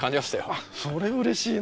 あそれうれしいな。